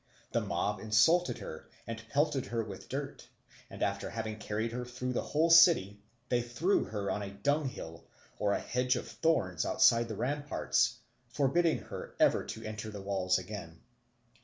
The mob insulted her and pelted her with dirt; and after having carried her through the whole city, they threw her on a dunghill or a hedge of thorns outside the ramparts, forbidding her ever to enter the walls again.